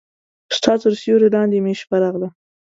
ستا تر سیوري لاندې مې شپه راغله